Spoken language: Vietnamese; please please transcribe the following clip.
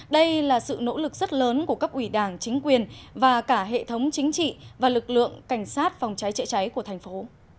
đây là sự nỗ lực rất lớn của cấp ủy đảng chính quyền và cả hệ thống chính trị và lực lượng cảnh sát phòng cháy chữa cháy của thành phố